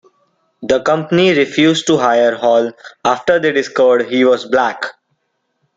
The company refused to hire Hall after they discovered he was black.